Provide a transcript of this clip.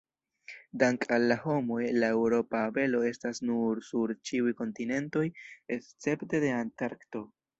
Dank'al la homoj, la eŭropa abelo estas nun sur ĉiuj kontinentoj escepte de Antarkto.